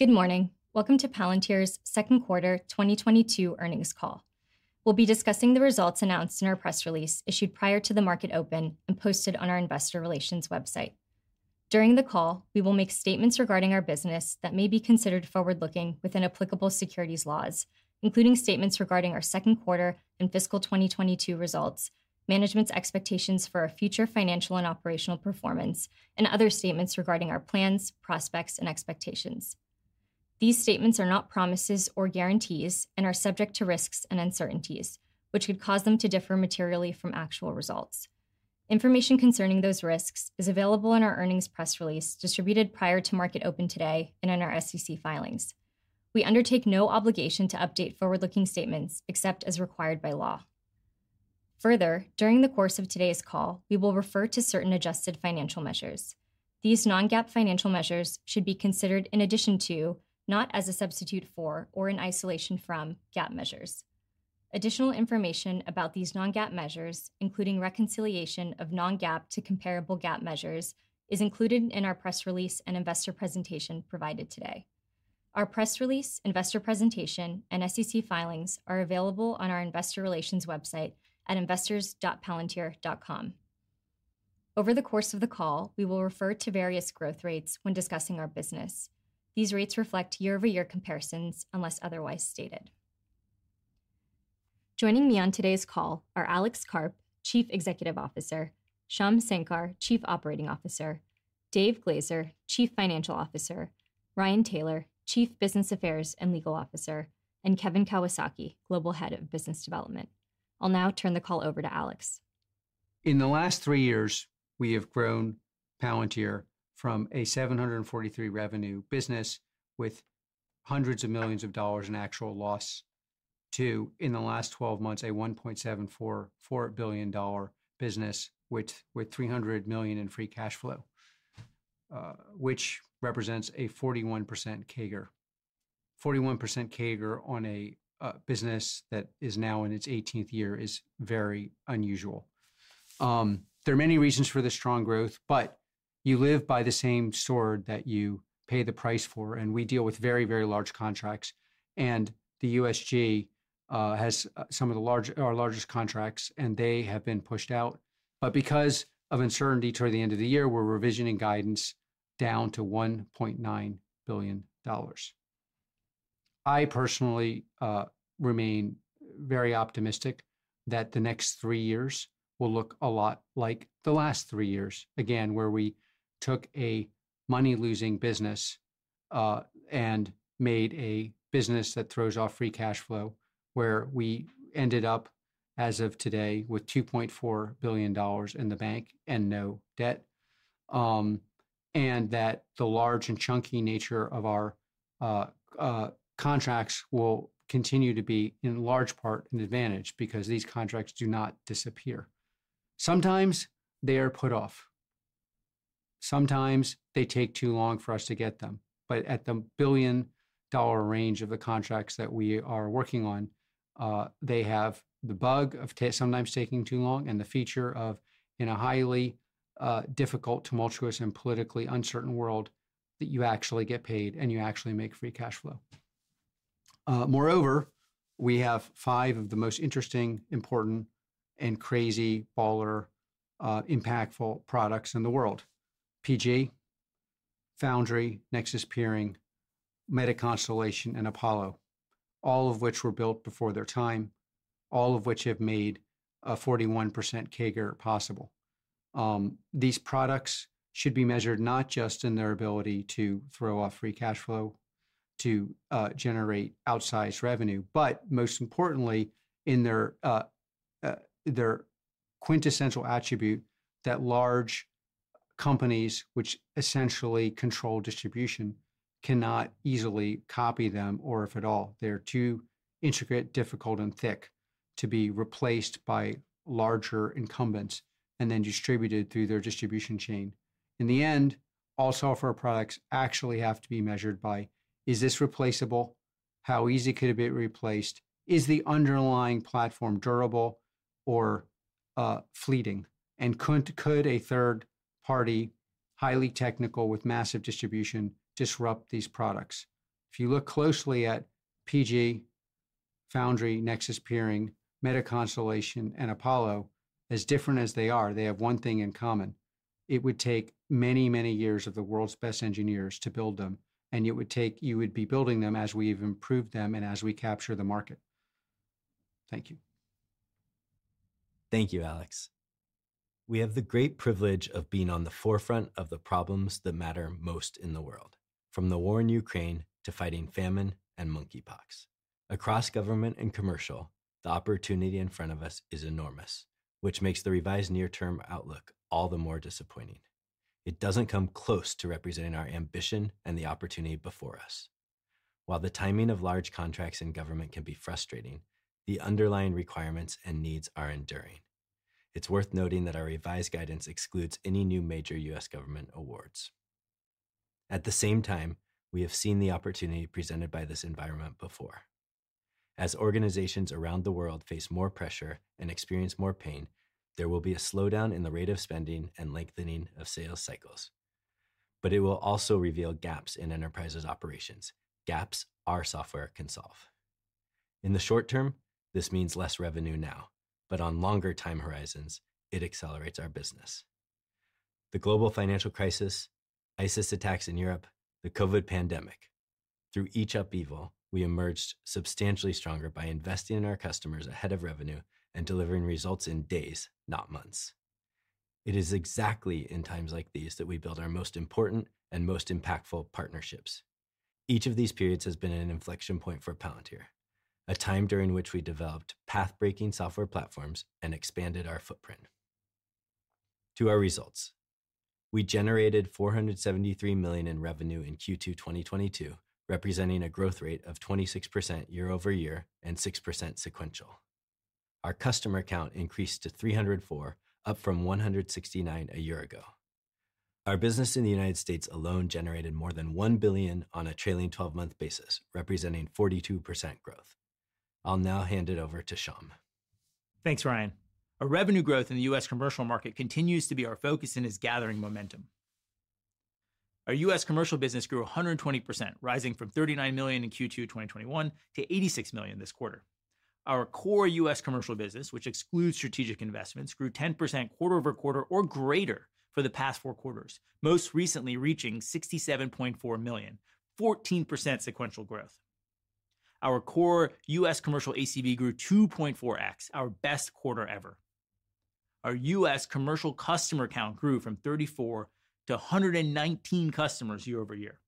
Good morning. Welcome to Palantir's second quarter 2022 earnings call. We'll be discussing the results announced in our press release issued prior to the market open and posted on our investor relations website. During the call, we will make statements regarding our business that may be considered forward-looking within applicable securities laws, including statements regarding our second quarter and fiscal 2022 results, management's expectations for our future financial and operational performance, and other statements regarding our plans, prospects, and expectations. These statements are not promises or guarantees and are subject to risks and uncertainties which could cause them to differ materially from actual results. Information concerning those risks is available in our earnings press release distributed prior to market open today and in our SEC filings. We undertake no obligation to update forward-looking statements except as required by law. Further, during the course of today's call, we will refer to certain adjusted financial measures. These non-GAAP financial measures should be considered in addition to, not as a substitute for or in isolation from, GAAP measures. Additional information about these non-GAAP measures, including reconciliation of non-GAAP to comparable GAAP measures, is included in our press release and investor presentation provided today. Our press release, investor presentation, and SEC filings are available on our investor relations website at investors.palantir.com. Over the course of the call, we will refer to various growth rates when discussing our business. These rates reflect year-over-year comparisons unless otherwise stated. Joining me on today's call are Alex Karp, Chief Executive Officer, Shyam Sankar, Chief Operating Officer, Dave Glazer, Chief Financial Officer, Ryan Taylor, Chief Business Affairs and Legal Officer, and Kevin Kawasaki, Global Head of Business Development. I'll now turn the call over to Alex. In the last three years, we have grown Palantir from a $743 million revenue business with hundreds of millions of dollars in actual loss to, in the last twelve months, a $1.744 billion business with $300 million in free cash flow, which represents a 41% CAGR. 41% CAGR on a business that is now in its 18th year is very unusual. There are many reasons for this strong growth, but you live by the same sword that you pay the price for, and we deal with very, very large contracts. The USG has some of our largest contracts, and they have been pushed out. Because of uncertainty toward the end of the year, we're revisioning guidance down to $1.9 billion. I personally remain very optimistic that the next three years will look a lot like the last three years, again, where we took a money-losing business and made a business that throws off free cash flow, where we ended up, as of today, with $2.4 billion in the bank and no debt, and that the large and chunky nature of our contracts will continue to be, in large part, an advantage because these contracts do not disappear. Sometimes they are put off. Sometimes they take too long for us to get them. But at the billion-dollar range of the contracts that we are working on, they have the bug of sometimes taking too long and the feature of, in a highly difficult, tumultuous, and politically uncertain world, that you actually get paid and you actually make free cash flow. Moreover, we have five of the most interesting, important, and crazy baller, impactful products in the world. Gotham, Foundry, Nexus Peering, MetaConstellation, and Apollo, all of which were built before their time, all of which have made a 41% CAGR possible. These products should be measured not just in their ability to throw off free cash flow to generate outsized revenue, but most importantly, in their quintessential attribute that large companies which essentially control distribution cannot easily copy them, or if at all. They're too intricate, difficult, and thick to be replaced by larger incumbents and then distributed through their distribution chain. In the end, all software products actually have to be measured by is this replaceable? How easy could it be replaced? Is the underlying platform durable or fleeting? Could a third party, highly technical with massive distribution, disrupt these products? If you look closely at Gotham, Foundry, Nexus Peering, MetaConstellation, and Apollo, as different as they are, they have one thing in common. It would take many, many years of the world's best engineers to build them, and it would take, you would be building them as we've improved them and as we capture the market. Thank you. Thank you, Alex. We have the great privilege of being on the forefront of the problems that matter most in the world, from the war in Ukraine to fighting famine and monkeypox. Across government and commercial, the opportunity in front of us is enormous, which makes the revised near-term outlook all the more disappointing. It doesn't come close to representing our ambition and the opportunity before us. While the timing of large contracts in government can be frustrating, the underlying requirements and needs are enduring. It's worth noting that our revised guidance excludes any new major U.S. government awards. At the same time, we have seen the opportunity presented by this environment before. As organizations around the world face more pressure and experience more pain, there will be a slowdown in the rate of spending and lengthening of sales cycles, but it will also reveal gaps in enterprises' operations, gaps our software can solve. In the short term, this means less revenue now, but on longer time horizons, it accelerates our business. The global financial crisis, ISIS attacks in Europe, the COVID pandemic, through each upheaval, we emerged substantially stronger by investing in our customers ahead of revenue and delivering results in days, not months. It is exactly in times like these that we build our most important and most impactful partnerships. Each of these periods has been an inflection point for Palantir, a time during which we developed pathbreaking software platforms and expanded our footprint. To our results. We generated $473 million in revenue in Q2 2022, representing a growth rate of 26% year-over-year and 6% sequential. Our customer count increased to 304, up from 169 a year ago. Our business in the United States alone generated more than $1 billion on a trailing 12-month basis, representing 42% growth. I'll now hand it over to Shyam. Thanks, Ryan. Our revenue growth in the U.S. commercial market continues to be our focus and is gathering momentum. Our U.S. commercial business grew 120%, rising from $39 million in Q2 2021 to $86 million this quarter. Our core U.S. commercial business, which excludes strategic investments, grew 10% quarter-over-quarter or greater for the past four quarters, most recently reaching $67.4 million, 14% sequential growth. Our core U.S. commercial ACV grew 2.4x, our best quarter ever. Our U.S. commercial customer count grew from 34 to 119 customers year-over-year.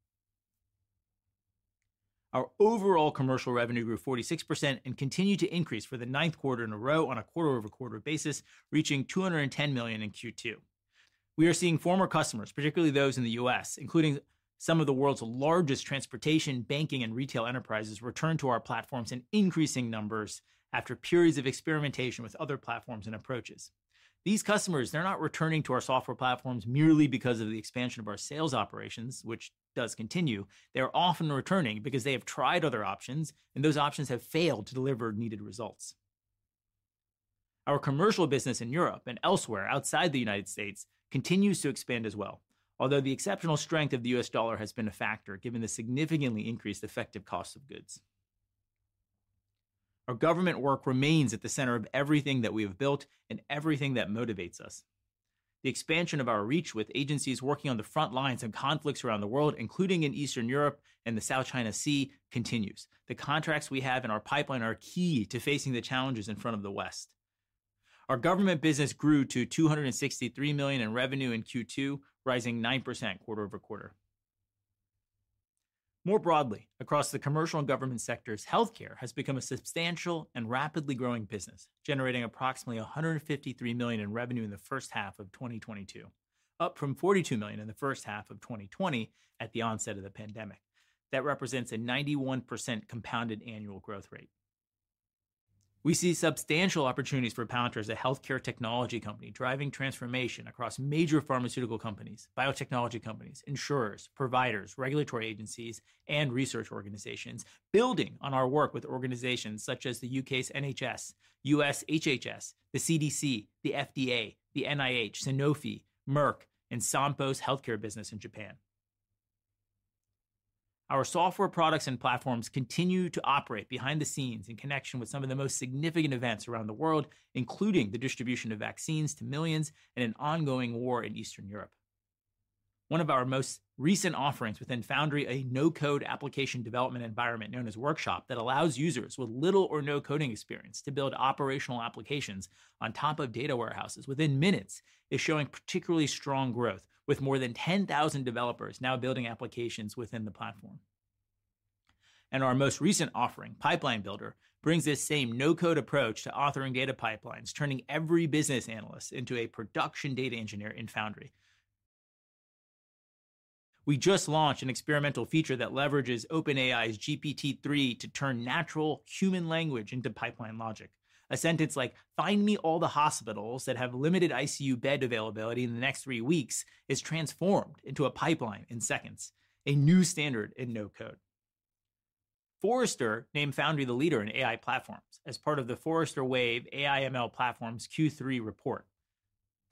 Our overall commercial revenue grew 46% and continued to increase for the ninth quarter in a row on a quarter-over-quarter basis, reaching $210 million in Q2. We are seeing former customers, particularly those in the U.S., including some of the world's largest transportation, banking, and retail enterprises, return to our platforms in increasing numbers after periods of experimentation with other platforms and approaches. These customers, they're not returning to our software platforms merely because of the expansion of our sales operations, which does continue. They are often returning because they have tried other options, and those options have failed to deliver needed results. Our commercial business in Europe and elsewhere outside the United States continues to expand as well. Although the exceptional strength of the U.S. dollar has been a factor, given the significantly increased effective cost of goods. Our government work remains at the center of everything that we have built and everything that motivates us. The expansion of our reach with agencies working on the front lines in conflicts around the world, including in Eastern Europe and the South China Sea, continues. The contracts we have in our pipeline are key to facing the challenges in front of the West. Our government business grew to $263 million in revenue in Q2, rising 9% quarter over quarter. More broadly, across the commercial and government sectors, healthcare has become a substantial and rapidly growing business, generating approximately $153 million in revenue in the first half of 2022, up from $42 million in the first half of 2020 at the onset of the pandemic. That represents a 91% compounded annual growth rate. We see substantial opportunities for Palantir as a healthcare technology company, driving transformation across major pharmaceutical companies, biotechnology companies, insurers, providers, regulatory agencies, and research organizations, building on our work with organizations such as the U.K.'s NHS, U.S. HHS, the CDC, the FDA, the NIH, Sanofi, Merck, and Sompo's healthcare business in Japan. Our software products and platforms continue to operate behind the scenes in connection with some of the most significant events around the world, including the distribution of vaccines to millions and an ongoing war in Eastern Europe. One of our most recent offerings within Foundry, a no-code application development environment known as Workshop that allows users with little or no coding experience to build operational applications on top of data warehouses within minutes, is showing particularly strong growth, with more than 10,000 developers now building applications within the platform. Our most recent offering, Pipeline Builder, brings this same no-code approach to authoring data pipelines, turning every business analyst into a production data engineer in Foundry. We just launched an experimental feature that leverages OpenAI's GPT-3 to turn natural human language into pipeline logic. A sentence like, "Find me all the hospitals that have limited ICU bed availability in the next three weeks," is transformed into a pipeline in seconds, a new standard in no-code. Forrester named Foundry the leader in AI platforms as part of the Forrester Wave™: AI/ML Platforms Q3 report.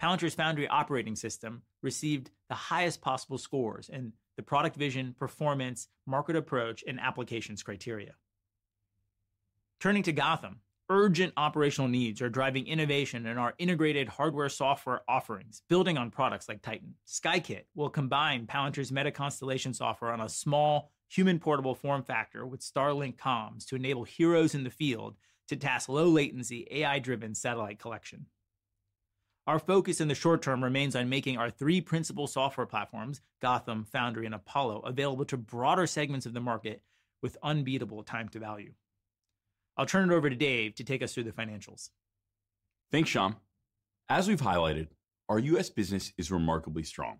Palantir's Foundry operating system received the highest possible scores in the product vision, performance, market approach, and applications criteria. Turning to Gotham, urgent operational needs are driving innovation in our integrated hardware software offerings, building on products like TITAN. Skykit will combine Palantir's MetaConstellation software on a small human portable form factor with Starlink comms to enable heroes in the field to task low latency AI-driven satellite collection. Our focus in the short term remains on making our three principal software platforms, Gotham, Foundry, and Apollo, available to broader segments of the market with unbeatable time to value. I'll turn it over to Dave to take us through the financials. Thanks, Shyam. As we've highlighted, our U.S. business is remarkably strong.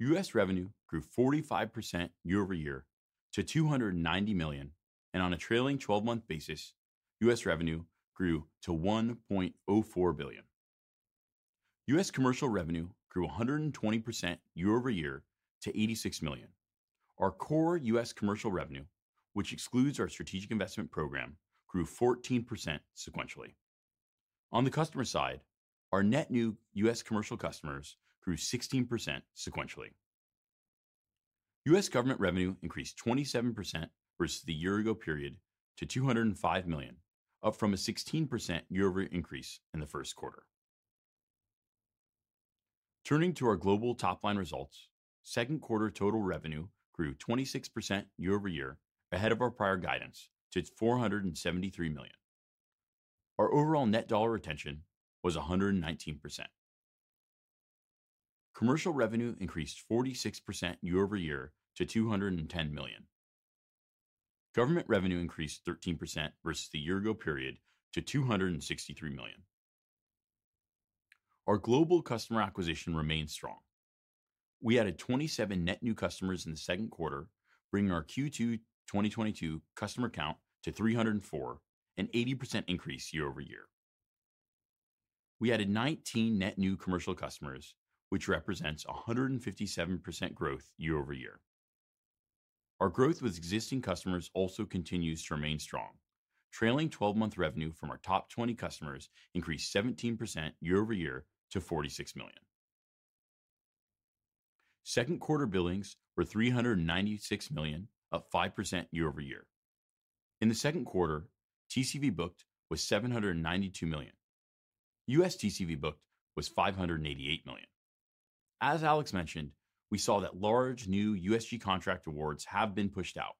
U.S. revenue grew 45% year-over-year to $290 million, and on a trailing 12-month basis, U.S. revenue grew to $1.04 billion. US commercial revenue grew 120% year-over-year to $86 million. Our core US commercial revenue, which excludes our strategic investment program, grew 14% sequentially. On the customer side, our net new US commercial customers grew 16% sequentially. US government revenue increased 27% versus the year ago period to $205 million, up from a 16% year-over-year increase in the first quarter. Turning to our global top line results, second quarter total revenue grew 26% year-over-year ahead of our prior guidance to $473 million. Our overall net dollar retention was 119%. Commercial revenue increased 46% year-over-year to $210 million. Government revenue increased 13% versus the year ago period to $263 million. Our global customer acquisition remained strong. We added 27 net new customers in the second quarter, bringing our Q2 2022 customer count to 304, an 80% increase year-over-year. We added 19 net new commercial customers, which represents 157% growth year-over-year. Our growth with existing customers also continues to remain strong. Trailing 12-month revenue from our top 20 customers increased 17% year-over-year to $46 million. Second quarter billings were $396 million, up 5% year-over-year. In the second quarter, TCV booked was $792 million. U.S. TCV booked was $588 million. As Alex mentioned, we saw that large new USG contract awards have been pushed out.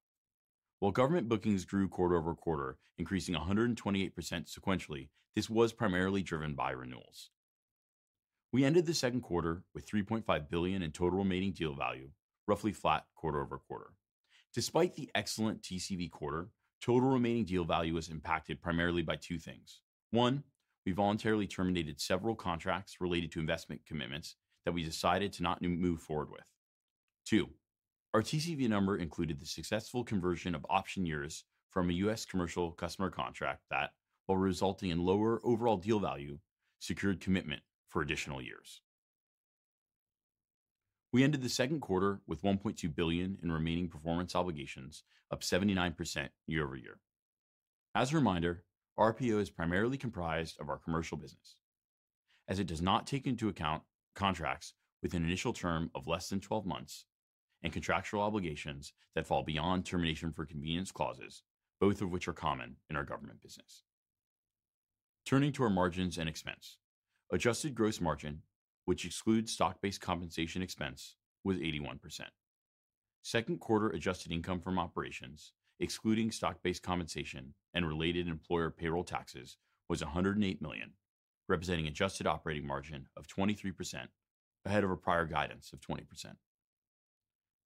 While government bookings grew quarter-over-quarter, increasing 128% sequentially, this was primarily driven by renewals. We ended the second quarter with $3.5 billion in total remaining deal value, roughly flat quarter-over-quarter. Despite the excellent TCV quarter, total remaining deal value was impacted primarily by two things. One, we voluntarily terminated several contracts related to investment commitments that we decided to not move forward with. Two, our TCV number included the successful conversion of option years from a U.S. commercial customer contract that, while resulting in lower overall deal value, secured commitment for additional years. We ended the second quarter with $1.2 billion in remaining performance obligations, up 79% year-over-year. As a reminder, RPO is primarily comprised of our commercial business, as it does not take into account contracts with an initial term of less than 12 months and contractual obligations that fall beyond termination for convenience clauses, both of which are common in our government business. Turning to our margins and expenses. Adjusted gross margin, which excludes stock-based compensation expense, was 81%. Second quarter adjusted income from operations, excluding stock-based compensation and related employer payroll taxes, was $108 million, representing adjusted operating margin of 23%, ahead of our prior guidance of 20%.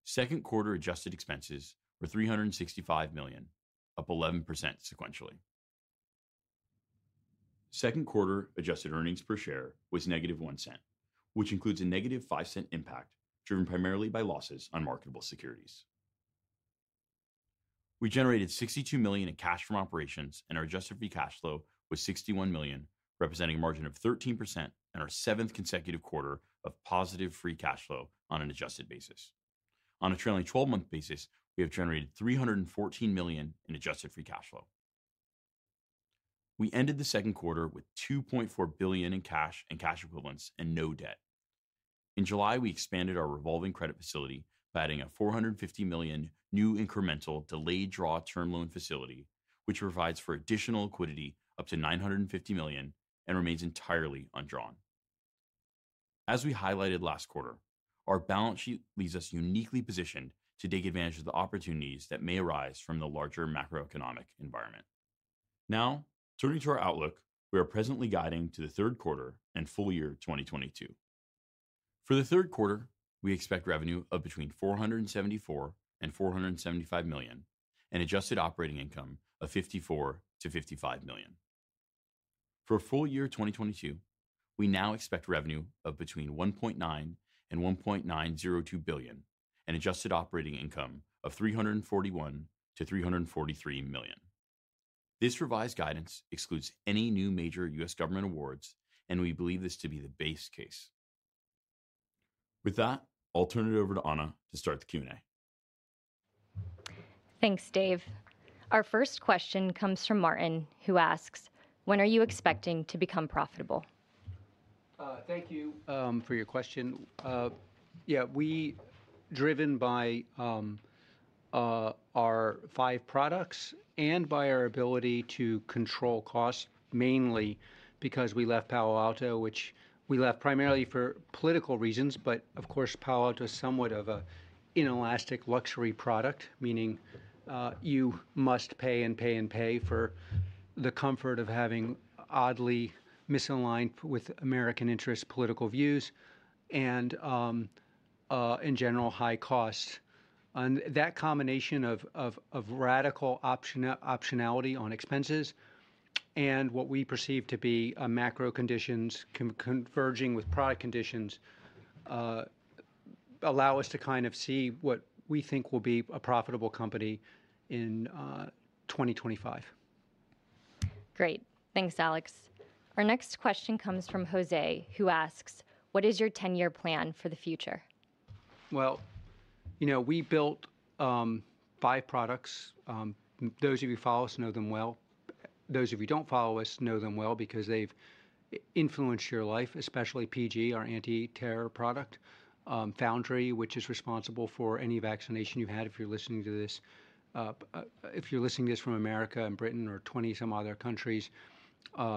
Second quarter adjusted expenses were $365 million, up 11% sequentially. Second quarter adjusted earnings per share was -$0.01, which includes a -$0.05 impact driven primarily by losses on marketable securities. We generated $62 million in cash from operations, and our adjusted free cash flow was $61 million, representing a margin of 13% and our seventh consecutive quarter of positive free cash flow on an adjusted basis. On a trailing 12-month basis, we have generated $314 million in adjusted free cash flow. We ended the second quarter with $2.4 billion in cash and cash equivalents and no debt. In July, we expanded our revolving credit facility by adding a $450 million new incremental delayed draw term loan facility, which provides for additional liquidity up to $950 million and remains entirely undrawn. As we highlighted last quarter, our balance sheet leaves us uniquely positioned to take advantage of the opportunities that may arise from the larger macroeconomic environment. Now, turning to our outlook, we are presently guiding to the third quarter and full year 2022. For the third quarter, we expect revenue of between $474 million and $475 million and adjusted operating income of $54 million-$55 million. For full year 2022, we now expect revenue of between $1.9 billion and $1.902 billion and adjusted operating income of $341 million-$343 million. This revised guidance excludes any new major U.S. government awards, and we believe this to be the base case. With that, I'll turn it over to Ana to start the Q&A. Thanks, Dave. Our first question comes from Martin, who asks, "When are you expecting to become profitable? Thank you for your question. Yeah, we, driven by our five products and by our ability to control costs, mainly because we left Palo Alto, which we left primarily for political reasons, but of course, Palo Alto is somewhat of an inelastic luxury product, meaning you must pay and pay and pay for the comfort of having oddly misaligned with American interest political views and in general high costs. That combination of radical optionality on expenses and what we perceive to be macro conditions converging with product conditions allow us to kind of see what we think will be a profitable company in 2025. Great. Thanks, Alex. Our next question comes from Jose, who asks, "What is your 10-year plan for the future? Well, you know, we built five products. Those of you who follow us know them well. Those of you who don't follow us know them well because they've influenced your life, especially Gotham, our anti-terror product, Foundry, which is responsible for any vaccination you've had if you're listening to this from America and Britain or 20-some other countries.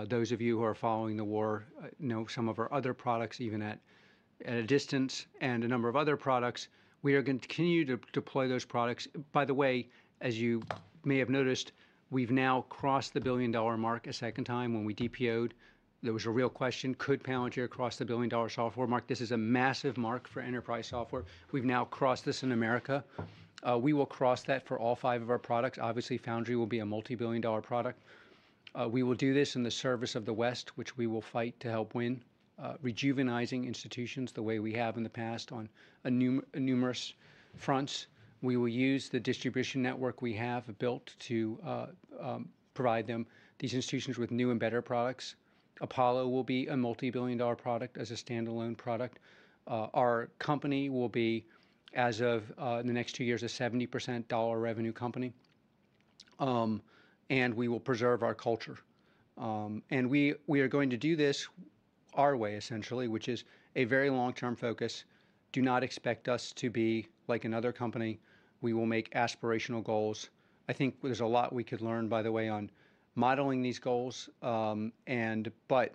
Those of you who are following the war know some of our other products even at a distance and a number of other products. We are gonna continue to deploy those products. By the way, as you may have noticed, we've now crossed the billion-dollar mark a second time when we DPO'd. There was a real question, could Palantir cross the billion-dollar software mark? This is a massive mark for enterprise software. We've now crossed this in America. We will cross that for all five of our products. Obviously, Foundry will be a multi-billion dollar product. We will do this in the service of the West, which we will fight to help win, rejuvenating institutions the way we have in the past on numerous fronts. We will use the distribution network we have built to provide them, these institutions with new and better products. Apollo will be a multi-billion dollar product as a standalone product. Our company will be, as of in the next two years, a 70% dollar revenue company. We are going to do this our way, essentially, which is a very long-term focus. Do not expect us to be like another company. We will make aspirational goals. I think there's a lot we could learn, by the way, on modeling these goals, but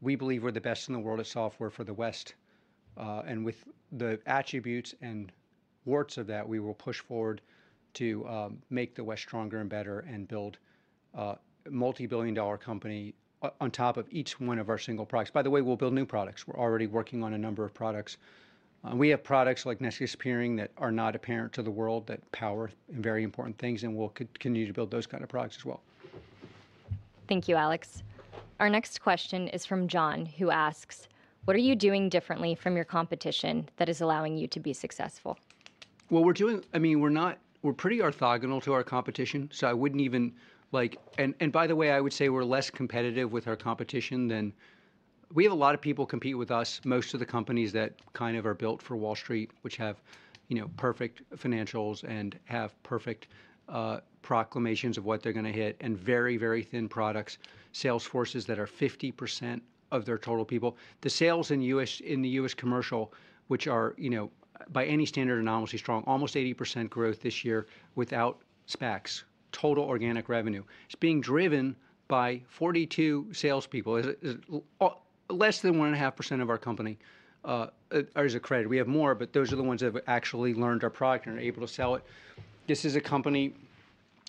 we believe we're the best in the world of software for the West. With the attributes and warts of that, we will push forward to make the West stronger and better and build a multi-billion dollar company on top of each one of our single products. By the way, we'll build new products. We're already working on a number of products. We have products like Nexus Peering that are not apparent to the world that power very important things, and we'll continue to build those kind of products as well. Thank you, Alex. Our next question is from John, who asks, "What are you doing differently from your competition that is allowing you to be successful? We're pretty orthogonal to our competition, so I wouldn't even like. By the way, I would say we're less competitive with our competition than. We have a lot of people compete with us, most of the companies that kind of are built for Wall Street, which have, you know, perfect financials and have perfect proclamations of what they're gonna hit and very, very thin products, sales forces that are 50% of their total people. The sales in the U.S., in the U.S. commercial, which are, you know, by any standard, anomalously strong, almost 80% growth this year without SPACs, total organic revenue. It's being driven by 42 salespeople. It's less than 1.5% of our company or as a credit. We have more, but those are the ones that have actually learned our product and are able to sell it. This is a company.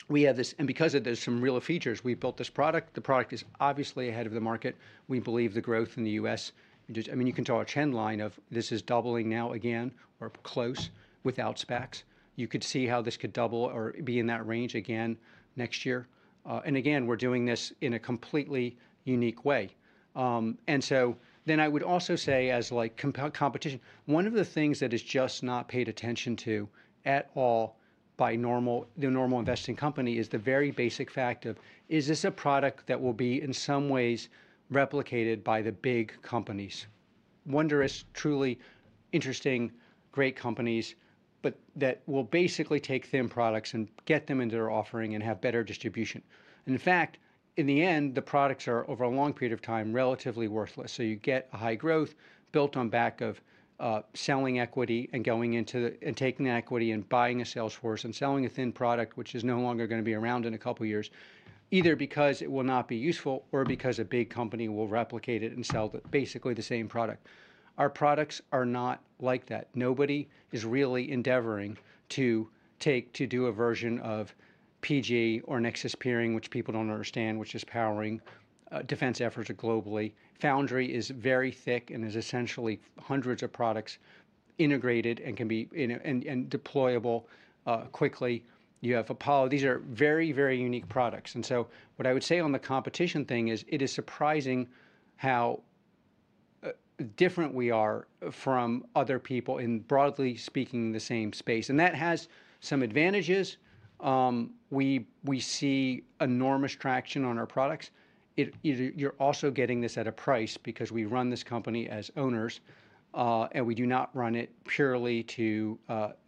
We have this. Because of this, some real features. We built this product. The product is obviously ahead of the market. We believe the growth in the U.S. is just, I mean, you can draw a trend line of this is doubling now again or close without SPACs. You could see how this could double or be in that range again next year. And again, we're doing this in a completely unique way. I would also say as like competition, one of the things that is just not paid attention to at all by the normal investment community is the very basic fact of, is this a product that will be in some ways replicated by the big companies? Wonder is truly interesting, great companies, but that will basically take thin products and get them into their offering and have better distribution. In fact, in the end, the products are, over a long period of time, relatively worthless. You get a high growth built on back of selling equity and taking the equity and buying a sales force and selling a thin product, which is no longer gonna be around in a couple years, either because it will not be useful or because a big company will replicate it and sell basically the same product. Our products are not like that. Nobody is really endeavoring to take to do a version of PG or Nexus Peering, which people don't understand, which is powering defense efforts globally. Foundry is very thick and is essentially hundreds of products integrated and deployable quickly. You have Apollo. These are very, very unique products. What I would say on the competition thing is it is surprising how different we are from other people in, broadly speaking, the same space. That has some advantages. We see enormous traction on our products. You're also getting this at a price because we run this company as owners and we do not run it purely to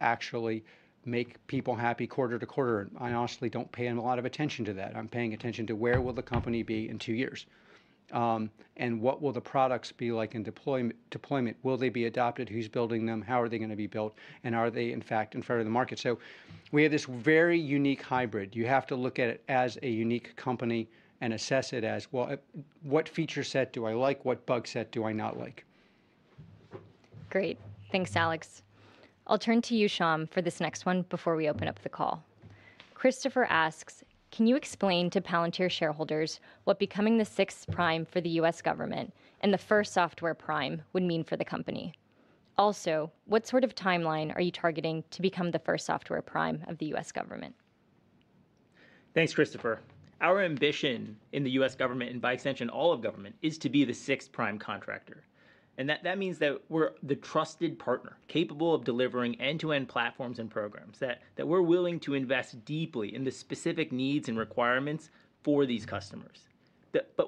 actually make people happy quarter to quarter. I honestly don't pay a lot of attention to that. I'm paying attention to where will the company be in two years and what will the products be like in deployment. Will they be adopted? Who's building them? How are they gonna be built? Are they, in fact, in front of the market? We have this very unique hybrid. You have to look at it as a unique company and assess it as, well, what feature set do I like? What bug set do I not like? Great. Thanks, Alex. I'll turn to you, Shyam, for this next one before we open up the call. Christopher asks, "Can you explain to Palantir shareholders what becoming the sixth prime for the U.S. government and the first software prime would mean for the company? Also, what sort of timeline are you targeting to become the first software prime of the U.S. government? Thanks, Christopher. Our ambition in the U.S. government, and by extension all of government, is to be the sixth prime contractor. That means that we're the trusted partner capable of delivering end-to-end platforms and programs, that we're willing to invest deeply in the specific needs and requirements for these customers.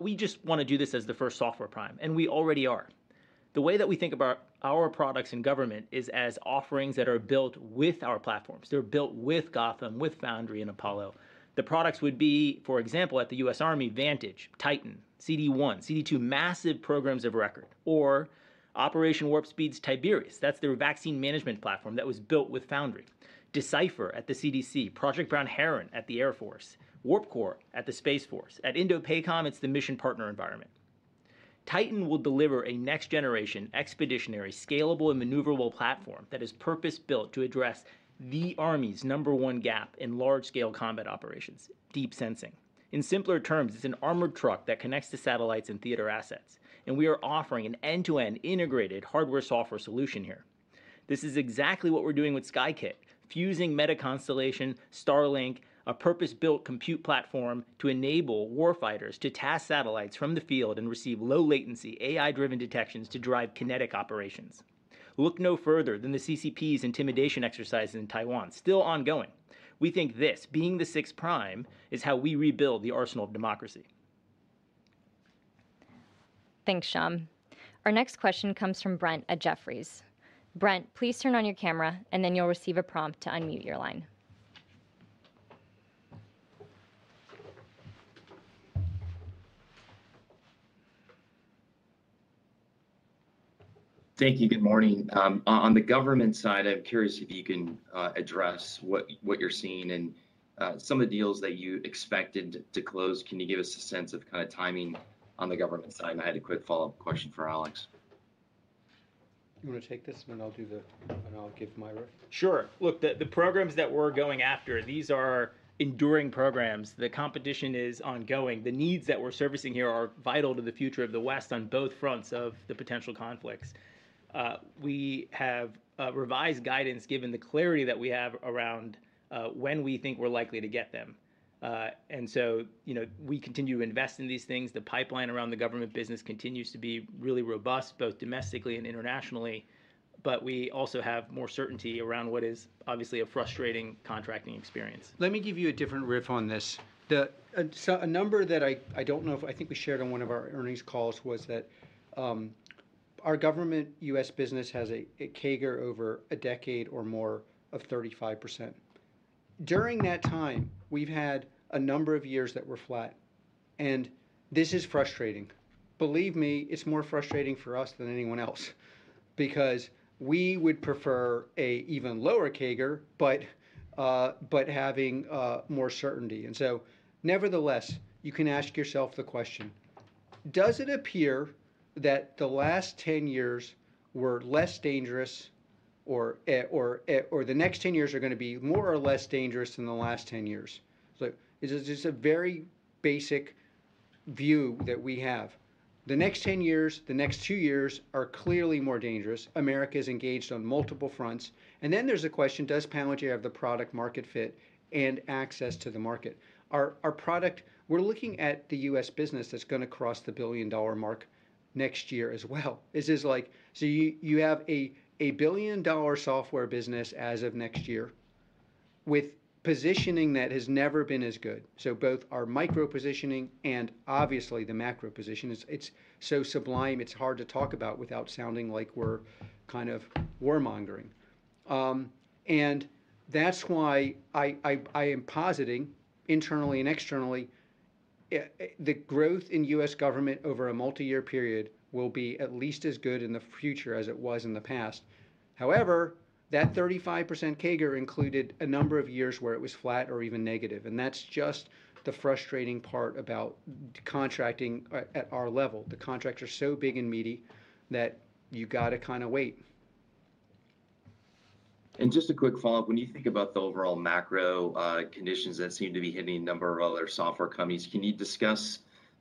We just wanna do this as the first software prime, and we already are. The way that we think about our products in government is as offerings that are built with our platforms. They're built with Gotham, with Foundry, and Apollo. The products would be, for example, at the U.S. Army, Vantage, TITAN, CD1, CD2, massive programs of record, or Operation Warp Speed's Tiberius. That's their vaccine management platform that was built with Foundry. DCIPHER at the CDC, Project Brown Heron at the U.S. Air Force, Warp Core at the U.S. Space Force. At INDOPACOM, it's the Mission Partner Environment. TITAN will deliver a next-generation, expeditionary, scalable, and maneuverable platform that is purpose-built to address the Army's number one gap in large-scale combat operations, deep sensing. In simpler terms, it's an armored truck that connects to satellites and theater assets, and we are offering an end-to-end integrated hardware-software solution here. This is exactly what we're doing with Skykit, fusing MetaConstellation, Starlink, a purpose-built compute platform to enable warfighters to task satellites from the field and receive low-latency, AI-driven detections to drive kinetic operations. Look no further than the CCP's intimidation exercise in Taiwan, still ongoing. We think this, being the sixth prime, is how we rebuild the arsenal of democracy. Thanks, Shyam. Our next question comes from Brent at Jefferies. Brent, please turn on your camera, and then you'll receive a prompt to unmute your line. Thank you. Good morning. On the government side, I'm curious if you can address what you're seeing and some of the deals that you expected to close. Can you give us a sense of kinda timing on the government side? I had a quick follow-up question for Alex. You wanna take this, and then I'll do, and I'll give my riff? Sure. Look, the programs that we're going after, these are enduring programs. The competition is ongoing. The needs that we're servicing here are vital to the future of the West on both fronts of the potential conflicts. We have revised guidance given the clarity that we have around when we think we're likely to get them. You know, we continue to invest in these things. The pipeline around the government business continues to be really robust, both domestically and internationally, but we also have more certainty around what is obviously a frustrating contracting experience. Let me give you a different riff on this. The a number that I don't know if I think we shared on one of our earnings calls was that, our government U.S. business has a CAGR over a decade or more of 35%. During that time, we've had a number of years that were flat, and this is frustrating. Believe me, it's more frustrating for us than anyone else because we would prefer a even lower CAGR, but having more certainty. Nevertheless, you can ask yourself the question, does it appear that the last 10 years were less dangerous or the next 10 years are gonna be more or less dangerous than the last 10 years? It's just a very basic view that we have. The next 10 years, the next two years are clearly more dangerous. America's engaged on multiple fronts. There's the question, does Palantir have the product market fit and access to the market? Our product, we're looking at the U.S. business that's gonna cross the billion-dollar mark next year as well. This is like. You have a billion-dollar software business as of next year with positioning that has never been as good. Both our micro positioning and obviously the macro position is, it's so sublime it's hard to talk about without sounding like we're kind of warmongering. That's why I am positing internally and externally, the growth in US government over a multi-year period will be at least as good in the future as it was in the past. However, that 35% CAGR included a number of years where it was flat or even negative, and that's just the frustrating part about contracting at our level. The contracts are so big and meaty that you gotta kinda wait. Just a quick follow-up. When you think about the overall macro conditions that seem to be hitting a number of other software companies, can you discuss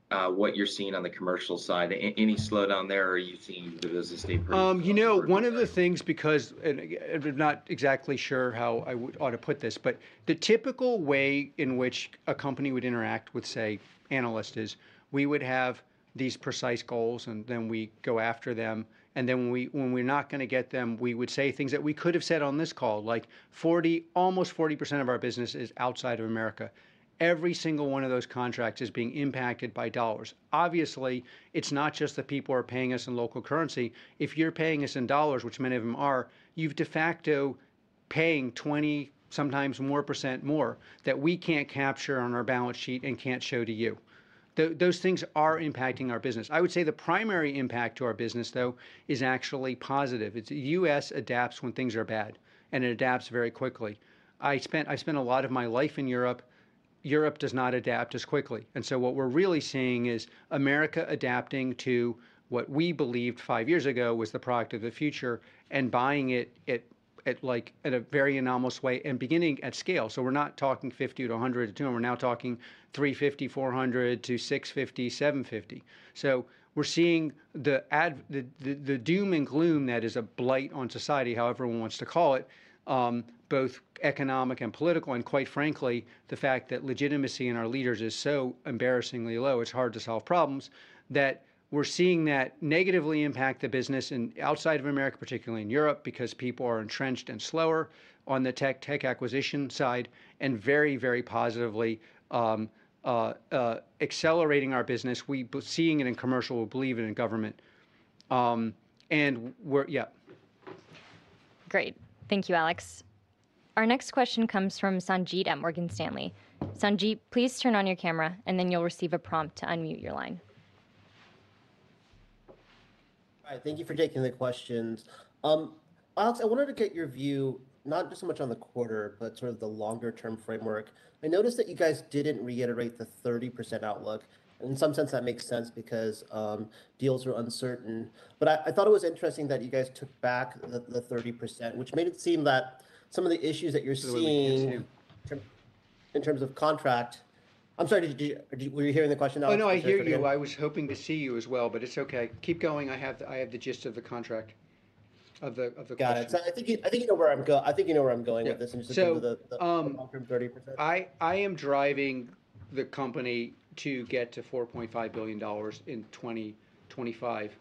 what you're seeing on the commercial side? Any slowdown there, or are you seeing the business stay pretty? You know, one of the things because, and again, I'm not exactly sure how I ought to put this, but the typical way in which a company would interact with, say, analyst is we would have these precise goals, and then we go after them. When we're not gonna get them, we would say things that we could have said on this call, like 40, almost 40% of our business is outside of America. Every single one of those contracts is being impacted by dollars. Obviously, it's not just that people are paying us in local currency. If you're paying us in dollars, which many of them are, you're de facto paying 20, sometimes more % more that we can't capture on our balance sheet and can't show to you. Those things are impacting our business. I would say the primary impact to our business, though, is actually positive. It's U.S. adapts when things are bad, and it adapts very quickly. I spent a lot of my life in Europe. Europe does not adapt as quickly. What we're really seeing is America adapting to what we believed five years ago was the product of the future and buying it at, like, at a very anomalous way and beginning at scale. We're not talking $50 to $100 to $200. We're now talking $350, $400-$650, $750. We're seeing the doom and gloom that is a blight on society, however one wants to call it, both economic and political, and quite frankly, the fact that legitimacy in our leaders is so embarrassingly low, it's hard to solve problems. We're seeing that negatively impact the business outside of America, particularly in Europe, because people are entrenched and slower on the tech acquisition side and very positively accelerating our business. We're seeing it in commercial, we believe it in government. Yeah. Great. Thank you, Alex. Our next question comes from Sanjit at Morgan Stanley. Sanjit, please turn on your camera, and then you'll receive a prompt to unmute your line. Hi, thank you for taking the questions. Alex, I wanted to get your view, not just so much on the quarter, but sort of the longer term framework. I noticed that you guys didn't reiterate the 30% outlook. In some sense, that makes sense because deals are uncertain. I thought it was interesting that you guys took back the 30%, which made it seem that some of the issues that you're seeing. Some of the issues, yeah. I'm sorry, were you hearing the question, Alex? Oh, no, I hear you. Okay, very good. I was hoping to see you as well, but it's okay. Keep going. I have the gist of the question. Got it. I think you know where I'm go- Yeah I think you know where I'm going with this. So. Just getting to the long-term 30% I am driving the company to get to $4.5 billion in 2025.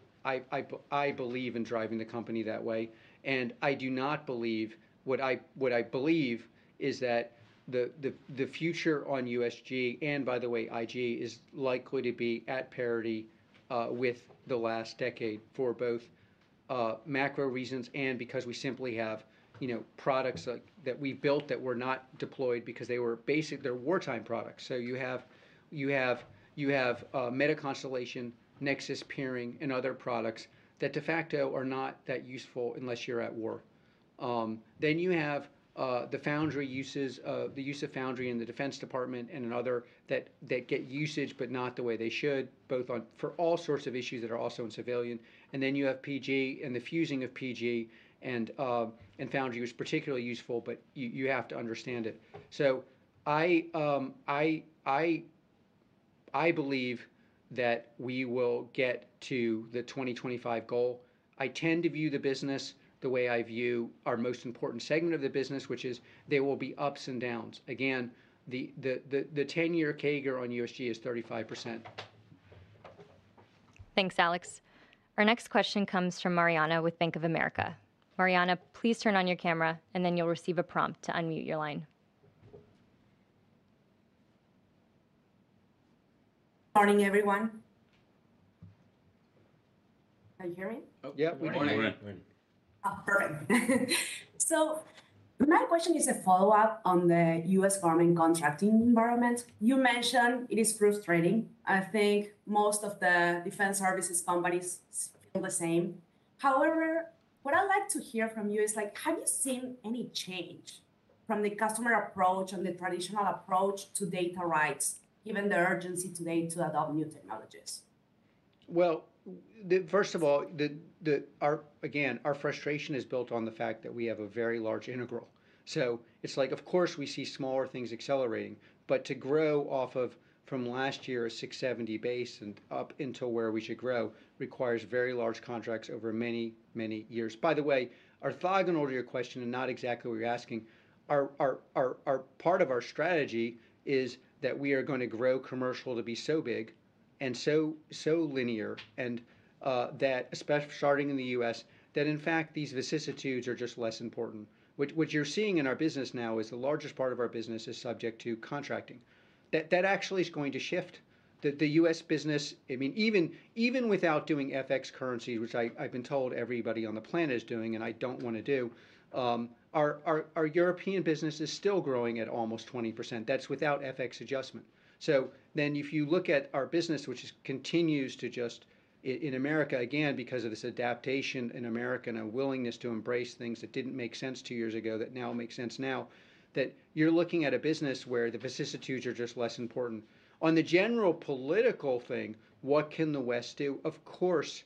I believe in driving the company that way, and I do not believe. What I believe is that the future on USG, and by the way, IG, is likely to be at parity with the last decade for both, macro reasons and because we simply have, you know, products that we've built that were not deployed because they were basic, they're wartime products. You have MetaConstellation, Nexus Peering, and other products that de facto are not that useful unless you're at war. You have the use of Foundry in the Defense Department and in other that get usage but not the way they should, both on for all sorts of issues that are also in civilian. You have PG and the fusing of PG and Foundry, which is particularly useful, but you have to understand it. I believe that we will get to the 2025 goal. I tend to view the business the way I view our most important segment of the business, which is there will be ups and downs. The 10 year CAGR on USG is 35%. Thanks, Alex. Our next question comes from Mariana with Bank of America. Mariana, please turn on your camera, and then you'll receive a prompt to unmute your line. Morning, everyone. Are you hearing? Oh, yeah. Good morning. Morning. Morning. Oh, perfect. My question is a follow-up on the U.S. government contracting environment. You mentioned it is frustrating. I think most of the defense services companies feel the same. However, what I'd like to hear from you is, like, have you seen any change from the customer approach and the traditional approach to data rights, given the urgency today to adopt new technologies? Well, first of all, our frustration is built on the fact that we have a very large intake. It's like, of course, we see smaller things accelerating, but to grow off of from last year, a $670 base and up into where we should grow requires very large contracts over many, many years. By the way, orthogonal to your question and not exactly what you're asking, our part of our strategy is that we are gonna grow commercial to be so big and so linear and that especially starting in the U.S., that in fact these vicissitudes are just less important. What you're seeing in our business now is the largest part of our business is subject to contracting. That actually is going to shift. US business, I mean, even without doing FX currency, which I've been told everybody on the planet is doing and I don't wanna do, our European business is still growing at almost 20%. That's without FX adjustment. If you look at our business, which continues to just in America, again, because of this adaptation in America and a willingness to embrace things that didn't make sense two years ago that now make sense now, you're looking at a business where the vicissitudes are just less important. On the general political thing, what can the West do? Of course,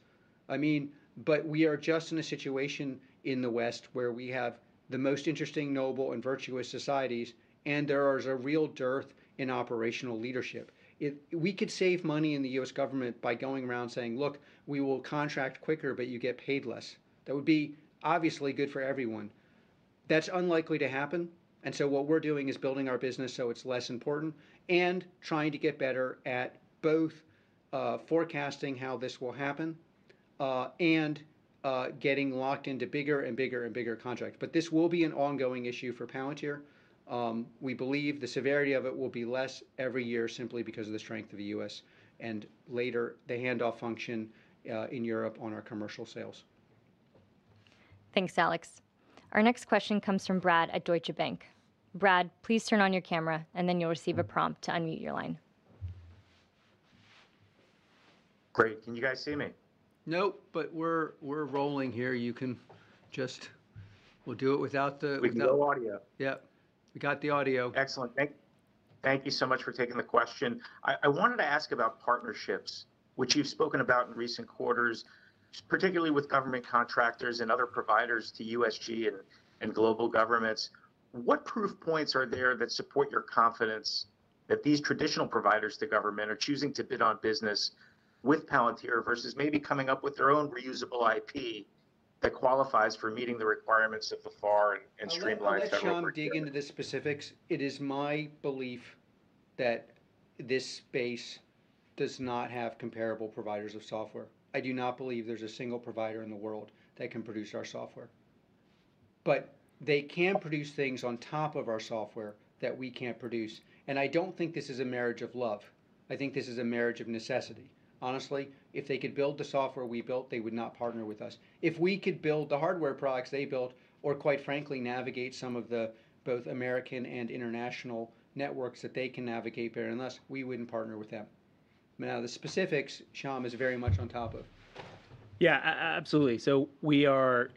I mean, but we are just in a situation in the West where we have the most interesting, noble, and virtuous societies, and there is a real dearth in operational leadership. We could save money in the U.S. government by going around saying, "Look, we will contract quicker, but you get paid less." That would be obviously good for everyone. That's unlikely to happen, what we're doing is building our business so it's less important and trying to get better at both, forecasting how this will happen, and getting locked into bigger and bigger and bigger contracts. This will be an ongoing issue for Palantir. We believe the severity of it will be less every year simply because of the strength of the U.S. and later the handoff function in Europe on our commercial sales. Thanks, Alex. Our next question comes from Brad at Deutsche Bank. Brad, please turn on your camera, and then you'll receive a prompt to unmute your line. Great. Can you guys see me? Nope, we're rolling here. With no audio. Yep. We got the audio. Excellent. Thank you so much for taking the question. I wanted to ask about partnerships, which you've spoken about in recent quarters, particularly with government contractors and other providers to USG and global governments. What proof points are there that support your confidence that these traditional providers to government are choosing to bid on business with Palantir versus maybe coming up with their own reusable IP that qualifies for meeting the requirements of the FAR and streamlines federal procurement? I'll let Shyam dig into the specifics. It is my belief that this space does not have comparable providers of software. I do not believe there's a single provider in the world that can produce our software. They can produce things on top of our software that we can't produce, and I don't think this is a marriage of love. I think this is a marriage of necessity. Honestly, if they could build the software we built, they would not partner with us. If we could build the hardware products they built, or quite frankly navigate some of the both American and international networks that they can navigate better than us, we wouldn't partner with them. Now, the specifics, Shyam is very much on top of. Yeah, absolutely. We are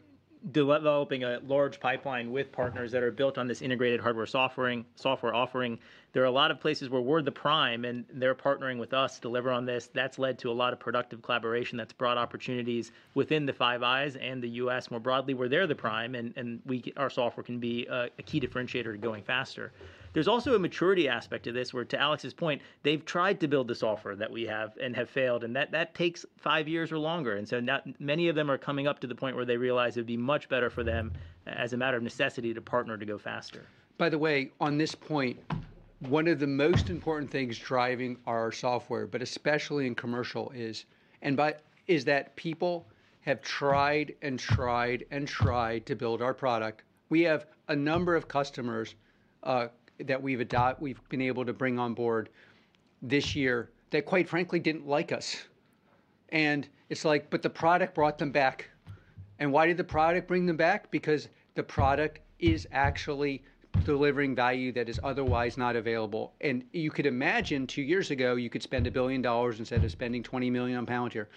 developing a large pipeline with partners that are built on this integrated hardware offering, software offering. There are a lot of places where we're the prime and they're partnering with us to deliver on this. That's led to a lot of productive collaboration that's brought opportunities within the Five Eyes and the U.S. more broadly where they're the prime and we our software can be a key differentiator to going faster. There's also a maturity aspect to this where, to Alex's point, they've tried to build the software that we have and have failed, and that takes five years or longer. Now many of them are coming up to the point where they realize it'd be much better for them as a matter of necessity to partner to go faster. By the way, on this point, one of the most important things driving our software, but especially in commercial is, and why is that people have tried to build our product. We have a number of customers that we've been able to bring on board this year that quite frankly didn't like us. It's like, but the product brought them back. Why did the product bring them back? Because the product is actually delivering value that is otherwise not available. You could imagine two years ago you could spend $1 billion instead of spending $20 million on Palantir.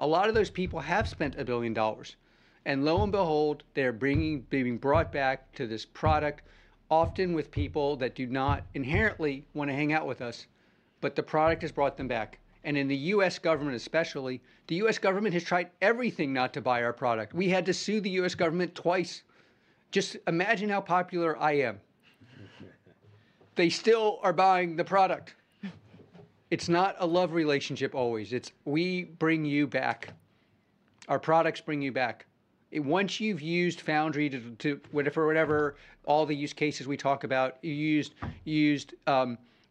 A lot of those people have spent $1 billion, and lo and behold, they're being brought back to this product, often with people that do not inherently wanna hang out with us, but the product has brought them back. In the U.S. government especially, the U.S. government has tried everything not to buy our product. We had to sue the U.S. government twice. Just imagine how popular I am. They still are buying the product. It's not a love relationship always. It's we bring you back. Our products bring you back. Once you've used Foundry to whatever for whatever all the use cases we talk about, you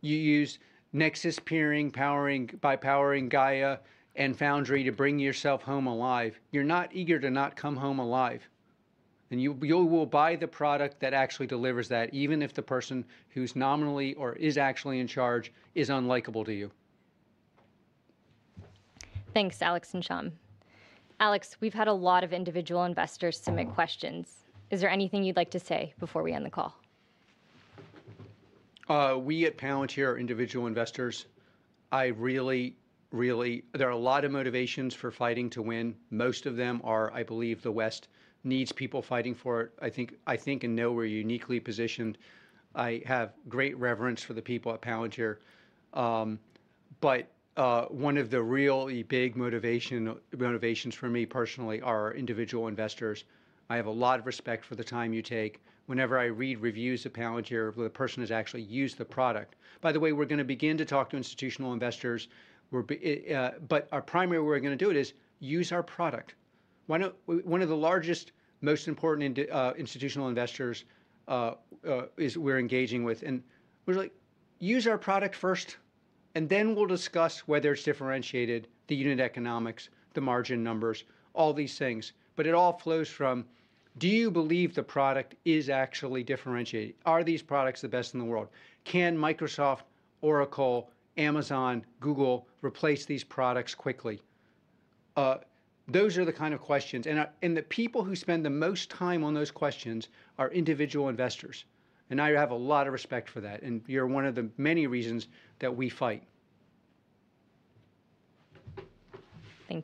use Nexus Peering powered by Gaia and Foundry to bring yourself home alive, you're not eager to not come home alive. You will buy the product that actually delivers that, even if the person who's nominally or is actually in charge is unlikable to you. Thanks, Alex and Shyam. Alex, we've had a lot of individual investors submit questions. Is there anything you'd like to say before we end the call? We at Palantir are individual investors. I really. There are a lot of motivations for fighting to win. Most of them are, I believe, the West needs people fighting for it. I think and know we're uniquely positioned. I have great reverence for the people at Palantir. One of the really big motivations for me personally are our individual investors. I have a lot of respect for the time you take. Whenever I read reviews of Palantir, the person has actually used the product. By the way, we're gonna begin to talk to institutional investors. Our primary way we're gonna do it is use our product. One of the largest, most important institutional investors we're engaging with and we're like, "Use our product first, and then we'll discuss whether it's differentiated the unit economics, the margin numbers, all these things." It all flows from, do you believe the product is actually differentiated? Are these products the best in the world? Can Microsoft, Oracle, Amazon, Google replace these products quickly? Those are the kind of questions. The people who spend the most time on those questions are individual investors. I have a lot of respect for that, and you're one of the many reasons that we fight. Thank you.